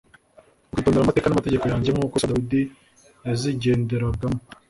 ukitondera amateka n’amategeko yanjye nk’uko so Dawidi yazigenderagamo